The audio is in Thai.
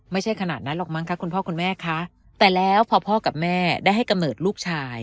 ไม่ใช่ขนาดนั้นหรอกมั้งคะคุณพ่อคุณแม่คะแต่แล้วพอพ่อกับแม่ได้ให้กำเนิดลูกชาย